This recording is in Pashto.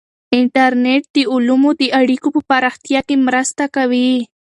انټرنیټ د علومو د اړیکو په پراختیا کې مرسته کوي.